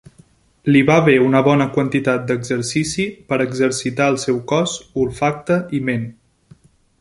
Li va bé una bona quantitat d'exercici per exercitar el seu cos, olfacte i ment.